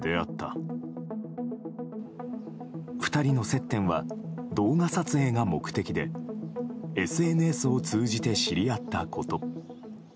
２人の接点は動画撮影が目的でＳＮＳを通じて知り合ったこと。